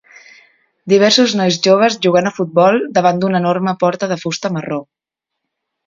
diversos nois joves jugant a futbol davant d'una enorme porta de fusta marró